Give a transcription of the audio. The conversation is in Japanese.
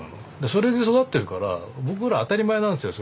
それで育ってるから僕ら当たり前なんですよ